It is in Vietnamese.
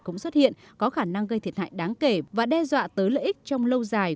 cũng xuất hiện có khả năng gây thiệt hại đáng kể và đe dọa tới lợi ích trong lâu dài